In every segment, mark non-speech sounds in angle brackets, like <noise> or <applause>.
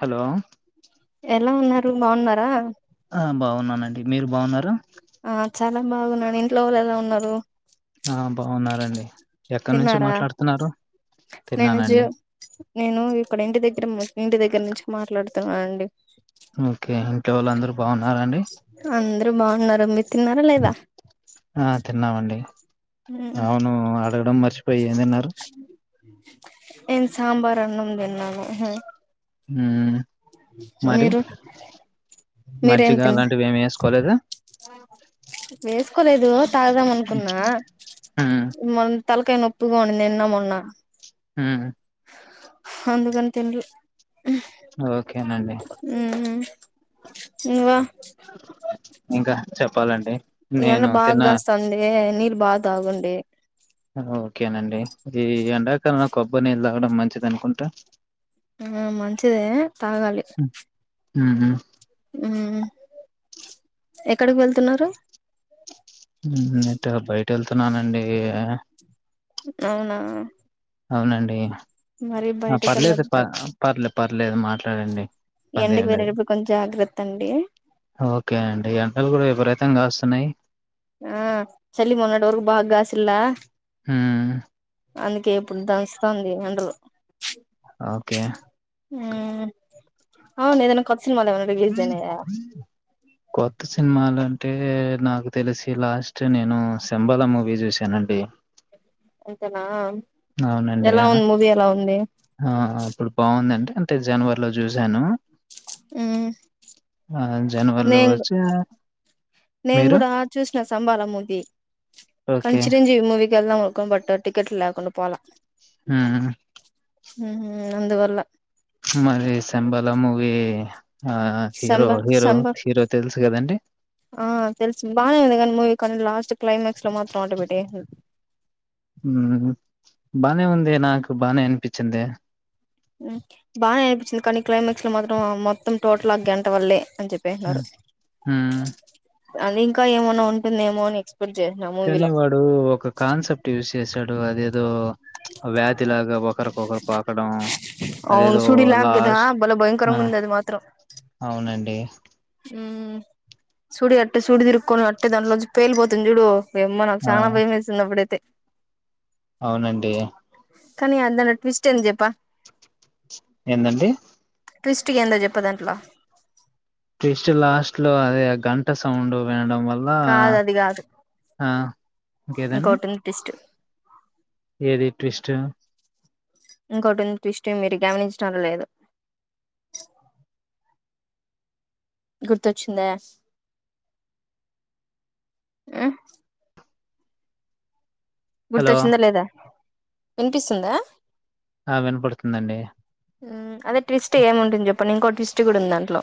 Hello ఎలా ఉన్నారు బాగున్నారా ఆ బాగున్నానండి మీరు బాగున్నారు ఆ చాలా బాగున్నాడు ఇంట్లో వాళ్ళు ఎలా ఉన్నారు ఆ బాగున్నారండి ఎక్కడి నుంచి తిన్నారా మాట్లాడుతున్నారు నేనుజు తిన్నానండి నేను ఇక్కడ ఇంటి దగ్గర ఇంటి దగ్గర నుంచి మాట్లాడుతున్నానండి ఓకే ఇంకే వాళ్ళు అందరుూ బాగున్నారండి అంద్ర బాగున్నారు తిన్నారా లేదా ఆ తిన్నామండి ఉమ్. అవును అడగడం మర్చిపోయి ఏందన్నారు ఏన్ సాంబార్ అన్నం దిన్నాను మ్మ్ మరి మీరు మీరేం మజ్జిగ తిన్నా అలాంటివి ఏమి వేసుకోలేదా వేసుకోలేదు తాగుదాం అనుకున్నా మ్మ్ మన్ తలకాయ నొప్పుగా ఉండింది నిన్న మొన్న మ్ అందుకనే తిన్లే ఓకే నండి ఉమ్. నువ్వా ఇంకా చెప్పాలండి ఎండలు నేను తిన్నా బాగాకాస్త ఉంది నీళ్లు బాగా తాగండి ఓకేనండి ఈ ఎండాకాలంలో కొబ్బరి నీళ్ళు తాగడం మంచిది అనుకుంటా ఆ మంచిదే తాగాలి మ్ మ్ ఎక్కడికి వెళ్తున్నారు ఉట్టిగా బయట వెళ్తున్నానండి అవునా అవునండి మరి ఆ బయటికి పర్లేదు ప వెళ్ళొద్దండి పర్లేదు పర్లేదు మాట్లాడండి ఇబ్బంది ఎండకి ఏం లేదు వెళ్లేటప్పుడు కొంచెం జాగ్రత్త అండి ఓకే అండి ఎండలు కూడా విపరీతంగాస్తున్నాయి ఆ చలి మొన్నటి వరకు బాగా కాసిందా ఉమ్ అందుకే ఇప్పుడు దంచుతాంది ఎండలు ఓకే ఉమ్ అవును ఏదాన్న కొ కొత్త సినిమాల అంటే నాకు తెలిసి లాస్ట్ నేను శంబలా మూవీ చూశానండి అంతనా అవునండి ఆ అప్పుడు బాగుందండి అంతే జనవర్లో చూసాను ఉమ్ ఆ జనవరిలో నేను వచ్చే నేను కూడా చూసిన సంబాల మూవీ కనీ ఓకే చిరంజీవి మూవీ ఎల్లామనుకొని టికెట్లు లేక పోలే మ్ మ్ అందువల్ల మరి శంబలమువి సంబ సంబ తెలుసు కదండి ఆ తెలుసు బానే ఉంది కానీ మూవీ కానీ లాస్ట్ క్లైమాక్స్ లో మాత్రం ఆటో పెట్టింది బానే ఉందే నాకు బానే అనిపించింది బాగానే అనిపించింది కానీ క్లైమాక్స్ లో మాత్రం మొత్తం టోటల్ ఆ గంట వల్లే అని చెప్పేసినారు ఊ అది ఇంకా ఏమన్న ఉంటుందేమో నెక్స్ కానీ వాడు ఒక కాన్సెప్ట్ యూజ్ చేసాడు అదేదో వ్యాధి లాగా ఒకరికొకరు పాకడం అవును అదేదో సుడిలా గదా లాస్ట్ బాలే ఆ! భయంకరంగా ఉంద అది మాత్రం అవునండి సూడి అట్టే సూడి తిరుక్కకొని అట్టే దాంట్లోజు పేలిపోతుంది చూడు ఏమో నాకు ఆ! చాలా భయం వేస్తుందిప్పుడైతే అవునండి కానీ అందనా ట్విస్ట్ ఏం చెప్ప ఏందండి ట్విస్ట్ కి ఏందో చెప్పదంట్లా ఫ్రిస్ట్ లాస్ట్ లో అదే అ గంట సౌండు వినడం వల్లా కాదు అది కాదు ఆ ఇంకేదండి ఇంకోటి ఉంది ట్విస్ట్ ఏది ట్విస్టు ఇంకోటి ఉంది ట్విస్టు మీరు గమనించటం లేదు గుర్తొచ్చిందా ఉ హలో! గుర్తొచ్చిందా లేదా వినిపిస్తుందా ఆ వినపడుతుందండి. ఉ అదే ట్విస్ట్ ఏముంటుంది చెప్పండి ఇంకో ట్విస్టు గూడా ఉంది దాంట్లో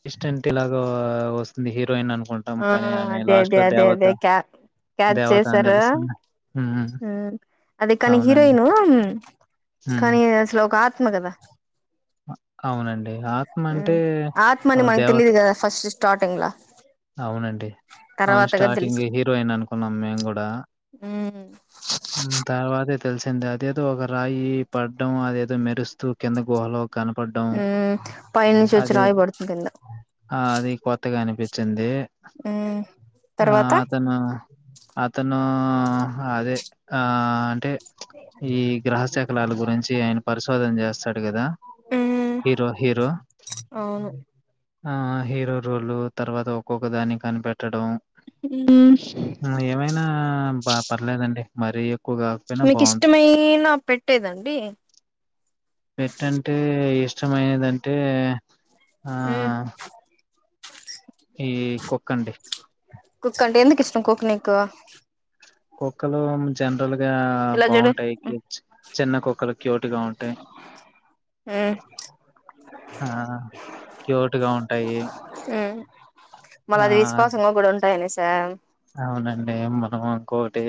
ట్విస్ట్ అంటె ఇలాగొ వస్తుంది హీరోయిన్ అన్ ఆ అదే అదే అదే అదే క్యా క్యాచ్ దేవత అని చేసారా తెలుస్తుంది. హ్మ్. ఉ అదే కానీ అవునండి. హీరోయిను కానీ అసలు ఒక ఆత్మ గదా అ అవునండ్ ఉ ఆత్మని మనక్ దేవత తెలిదు గదా ఫస్ట్ స్టాటింగ్లా అవునండి అవును స్టార్టింగ్ తెలిసింది హీరోయిన్ అనుకున్నాం మేము గూడా మ్మ్ మ్ తర్వాదే తెలిసింది అదేదో ఒక రాయి పడ్డం అదేదో మెరుస్తూ కింద గొహలో కనపడ్డం మ్మ్ పైనుంచి వచ్చి అది రాయి పడుతుంది కింద ఆ అది కొత్తగా అనిపి చింది ఉమ్ ఆ అతను అతనూ అదే ఆ అంటే ప్ల్చ్ ఈ గ్రహ శకలాల గురించి ఆయన పరిశోధన చేస్తాడు గదా మ్మ్ హీరో హీరో అవును ఆ హీరో రోలు తర్వాత ఒక్కొక్క దాన్ని కనిపెట్టడం మ్మ్ వన్ని ఏమైనా బా పర్లేదండి మరి మీకు ఇష్టమైన పెట్టేదండి పెట్టంటే ఇష్టమైనదంటే ఆ ఉమ్ ఈ కుక్కండి కుక్కంటె ఎందుకు ఇష్టం కుక్క నీకు కుక్కలు జన్ టోల్ గా ఇలా చూడు బాగుంటాయ్ చిన్న కుక్కలు క్యూట్ గా ఉంటాయ్ ఉమ్ ఆ క్యూట్ గా ఉంటాయి. మల ఆ! అది విశ్వాసంగా గూడా ఉంట కోటి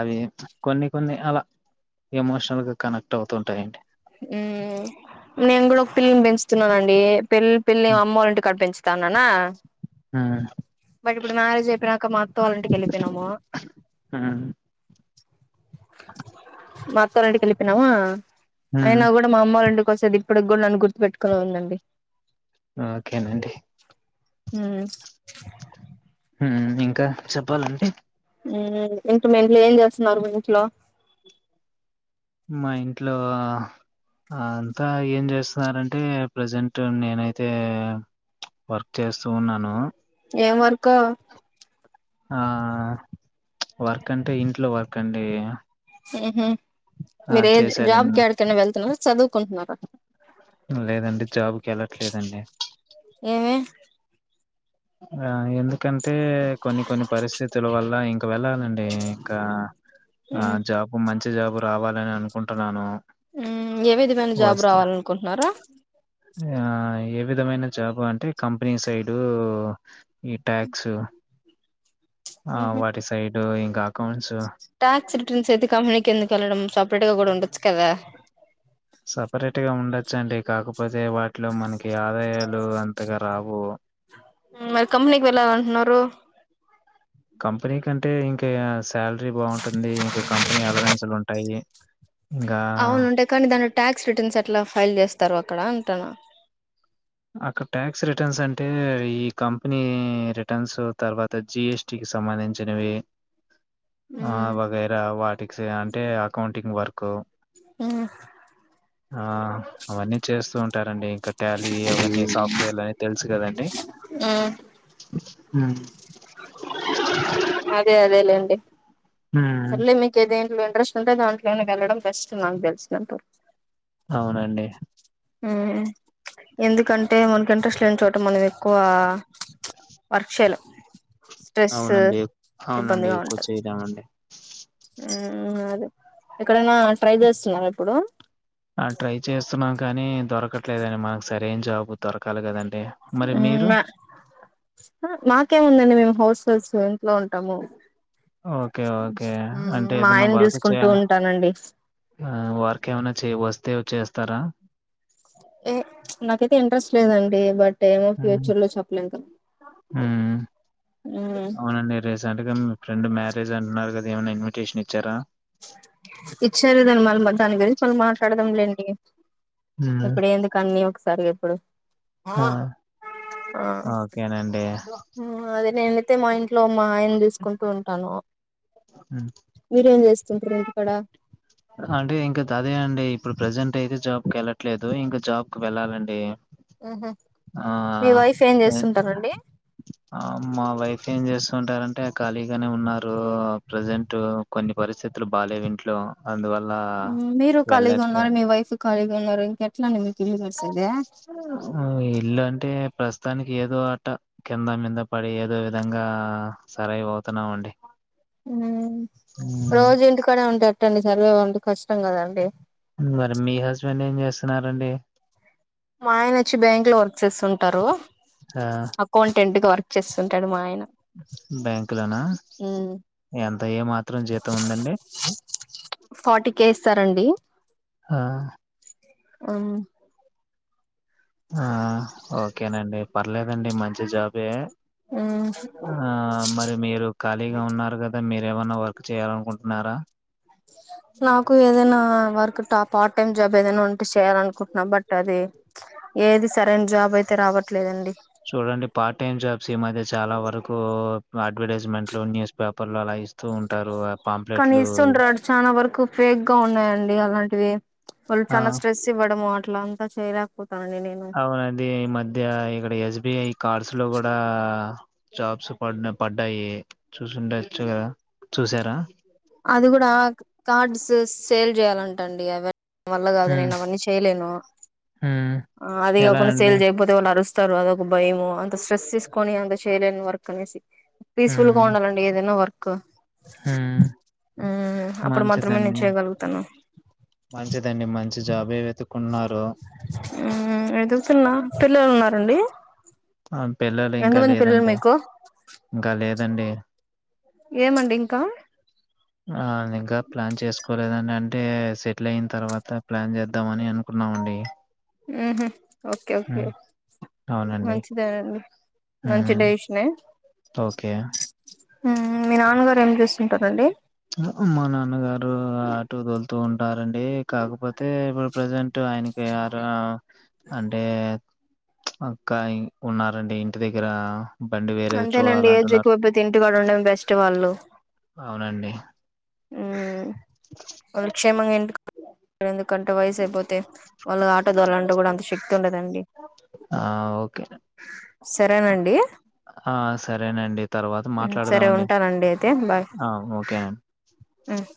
అవి ప్చ్ కొన్ని కొన్ని అలా ఎమోషనల్గా కనెక్ట్ అవుతుంటాయండి. ఉమ్ నేను గూడా ఒక పిల్లిని పెంచుతున్నానండి. పెళ్ పెల్లి హ్మ్. అమ్మల్లొంటి కాడ పెంచుతాననా ఆ బట్ ఇప్పుడు మ్యారేజ్ చెప్పినంక అత్త వాళ్ళ ఇంటికి వెళ్ళిపోయినము హ్మ్. మా అత్తలుంటికి ఎళ్ళిపోయినమూ హ్మ్. అయినా గూడా మా అమ్మలుండి వస్తది ఇప్పుటికి గూడా నన్ను గుర్తు పెట్టుకునే ఉందండి. ఓకేనండి. ఊ ఉమ్ ఇంకా చెప్పాలంటే హ్మ్ ఇంటి ముందు ఏం చేస్తున్నారు మీ ఇంట్లో మా ఇంట్లో అంతా ఏం చేస్తున్నారంటే ప్రజెంట్ నేనైతే చ్ వర్క్ చేస్తూ ఉన్నాను. ఏం వర్కు ఆ వర్క్ చ్ అంటే ఇంట్లో వర్క్ అండి. ఉహూ ఆ! మీరే చేశారన్ జాబ్క్ యాడికనా వెళ్తున్నారా చదువుకుంటున్నారా లేదండి జాబుకి వెళ్లట్లేదండి ఏమి ఆ ఎందు ఎందుకంటే కొన్ని కొన్ని పరిస్థితుల వల్ల ఇంక వెళ్ళాలండి ఇంకా ఆ జాబు మంచి జాబు రావాలని అనుకుంటున్నాను ఉమ్ ఏ విధమైన జాబ్ు రావాలనుకుంటున్నారా ఆ ఏ విధమైన జాబు అంటే కంపెనీ సైడు ఈ ట్యాక్స్ ఆ వాటి సైడ్ ఇంక అకౌంట్స్ ట్యాక్స్ రిటర్న్స్ అయితె కంనీకి ఎందు వెళ్ళడం సపరేట్ గా కూడా ఉండంది సపరేట్గ ఉండొచ్చండి కా కపోతే వాటిలో మనకి ఆదాయాలు అంతగ రావు మరి కంపనీకి వెళ్ళ లంటున్నారు కంపెనీ కంటే ఇంకా శాలరీ బాగుంటుంది ఇంకా కంపెనీ అలవెన్స్లు ఉంటాయి అవునుంటాయి కానీ దాంట్లో ట్యాక్స్ రిటర్న్స్ ఎట్ల ఫైల్ చేస్తారు అక్కడ అంటాను అక్కడ ట్యాక్స్ రిటర్న్స్ అంటే ఈ కంపెనీ రిటర్న్స్ తర్వాత జిఎస్టీ కి సంబంధించ ధించినవి ఆ వగైర వాటికి అంటే అకౌంటింగ్ వర్క్ ఉహ్ ఆ అవన్నీ చేస్తూ ఉంటారండి ఇంక ట అవన్నీ సాఫ్ట్వేర్ అవన్ని తెలుసు కదండి ఉమ్ అదే అదే లేండి హ్మ్. సర్లే మీకేదై ఎందులో ఇంట్రెస్ట్ ఉంటే దాంట్లోనే వెళ్ళడం బెస్ట్ నాకు తెలిసినంత అవునండి. ఎందుకంటే మనకి ఇంట్రెస్ట్ లేని చోట మనం ఎక్కువ వర్క్ చేయలేము స్ట్రెస్ అవునండి. అవునండి. ఇబ్బందిగా ఎక్కువ ఉంటది చేయలేమండి. ఉమ్ అది ఆ ట్రై చేస్తున్నాన్ కానీ దొరకట్లేదని మనకు సరేైన జాబు దొరకాలి కదండి మా మాకేం ముందండి మేమ్ హౌస్ హౌస్ ఇంట్లో ఉంటాము ఓకే. ఓకే. అంటే మా ఏదైనా ఆయన వర్క్ చే చూసుకుంటూ ఉంటానండి ఆ వారికి ఏమనా చే వస్తే చేస్తార ఎ నాకైతే ఇంట్రెస్ట్ లేదండి బట్ ఏమో ఫ్యూచర్ లో చెప్పలేంక ఉమ్ అవునండి రీసెంట్ గా మీ ఫ్రెండ్ మ్యారేజ్ అంటున్నారు కదా ఏమైనా ఇన్విటేషన్ ఇచ్చారా ఇచ్చారు దాన్ని మళ్ళ దాని గురించి మళ్ళీ మాట్లాడదాం లే అండి హ్మ్. ఇప్పుడుేందుకన్నీ ఒకసారి ఎప్పుడు ఆ ఆ ఓకేనండి. అదే నేన అైతే మా ఇంట్లో మా ఆ యని కుంటూ ఉంటాను మీరేం చేస్తుంటారు ఇంటికాడ అంటే ఇంక తదే అండి ఇప్పుడు ప్రజెంట్ అయితే జాబ్ కెళ్ళట్లేదు ఇంకా జాబ్ కి వెళ్ళాలండి ఆ మీ వైఫ్ ఏం చేస్తుంటారండి ఆ మా వైఫ్ ఏం చేస్తుంటారంటే అంటే ఖాళీగానే ఉన్నారూ ప్రజెంటు కొన్ని పరిస్థితులు బాాలేవు ఇంట్లో అందువల్ల మీరు ఖాళీగున్నారు మీ వైఫ్ ఖాళగా. ఉన్నారు ఇంకెట్లా అండి మీకు ఇల్లు గడిసేది ఆ ఎల్లు అంటే ప్రస్తుతానికి ఏదో అట్ట కింద మీద పడి ఏదో విధంగా సర అవుతున్నాం అండి రోజు ఇంటికాడ ఉంటేట్టండి సర్వే ఉంది కష్టం కదండి మరి మీ హస్బెండ్ ఏం చేస్తున్నారండి మా ఆయన వచ్చి బ్యాంక్ లో వర్క్ చేస్తుంటారు ఆ అకౌంటెంట్గా వర్క్ చేస్తుంటాడు మా ఆయన బ్యాంకులోనా ఎంత ఏ మాత్రం జీతం ఉందండి ఫార్టీ కే ఇస్తారండి ఆ ఆ ఆ ఓకేనండి పర్లేదండి మంచి జాబే ఆ మరి మీరు ఖాళీగా ఉన్నారు కదా మీరు ఏమన్నా వర్క్ చేయాలనుకుంటున్నారా నాకు ఏదైనా వర్క్ ట పార్ట్ టైమ్ జాబ్ ఏదైనా ఉంటే చేయాల అనుకుంటున్నా బట్ అది ఏది సరైన జాబ్ అయితే రావట్లేదండి చూడండి పార్ట్ అడ్వర్టైజమెంట్ ఇంట్లో న్యూస్ పేపర్లు అలా ఇస్తూ ఉంటారు కానీ పాంప్లెట్లు ఇస్తుంటారు చాలా వరకు ఫేక్ గా ఉన్నాయండి అలాంటివి వాళ్ళు ఆ చాలా స్ట్రెస్ ఇవ్వడము అట్లా అంతా చేయలేకపో అవునండి. ఈ మధ్య ఇక్కడ ఎస్బిఐ కార్స్ లో కూడా జాబ్స్ ప పడ్ పడ్డయి చూసుండొచ్చు కదా చూసారా అది కూడా కార్డ్స్ సేల్ చేయాలంటండి ఎవర వల్ల కాదు హ్మ్ నేను అవన్నీ చేయలేను హ్మ్ ఆ అది ఎలా కాకుండా అండి సేల్ చేయపోతే వాళ్ళు అరుస్త స్తారు అదొక భయము అంత స్ట్రెస్ తీసుకొని అంత చేయలేని వర్క్ అనేసి పీస్ఫుల్ గా హ్మ్ ఉండాలండి ఏదైనా వర్క్ హ్మ్ ఆ అప్పుడు మాత్రమే మంచిదండి నేను చేయగలుగుతాను మంచిదండి మంచి జాబే వెతుకు వెతుకుతున్నా పిల్లలున్నారా అండి ఆ పిల్లలు ఇంకా లేరండి ఇంకా లేదండి ఏమండి ఇంకా ఆ ఇంకా ప్లాన్ చేసుకోలేదండి అంటే సెటిల్ అయిన తర్వాత ప్లాన్ చేద్దామ అని అనుకున్నా ఊహూ ఓకే ఓకే హ్మ్ అవునండి మంచిదండి మంచి హ్మ్ డెసిషనే ఓకే హ్మ్ మీ నాన్నగారు ఏం చేస్తుంటారండి మా నాన్నగారు ఆటో దొలుతూ ఉంటారండి కాకపోతే ఇప్పుడు ప్రజెంట్ ఆయనకి <unintelligible> అంటే ప్చ్ అక్కయ్ ఉన్నారండి ఇంటి దగ్గర బండి వేరేది అంతేనండి ఏజు చూడాలంటున్నారు ఎక్కువ అయిపోతే ఇంటికాడ ఉండడం బెస్ట్ వాళ్లు అవునండి ఉ వాళ్లు క్షేమంగా <inaudible> ఇంటికాడ వయసెక్కువైపోతే, వాళ్లు ఆటో దోలాళంటే కూడా అంత శక్తి ఉండదండి ఆ ఓకే సరే మర్ అండి ఆ సరేనండి తర్వాత సరే మాట్లాడదామండి ఉంటానండి ఆ ఓకేనం హ్మ్